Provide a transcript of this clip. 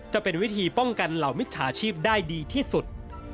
จะเป็นวิธีป้องกันเหล่ามิจฉาชีพได้ดีที่สุด